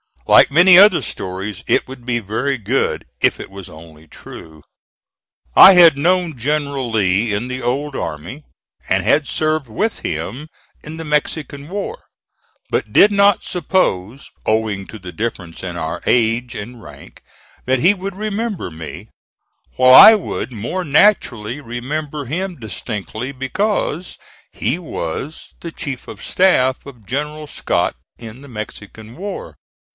Like many other stories, it would be very good if it was only true. I had known General Lee in the old army, and had served with him in the Mexican War; but did not suppose, owing to the difference in our age and rank, that he would remember me, while I would more naturally remember him distinctly, because he was the chief of staff of General Scott in the Mexican War.